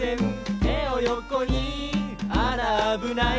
「てをよこにあらあぶない」